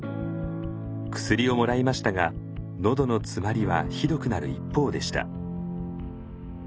薬をもらいましたがのどの詰まりはひどくなる一方でした。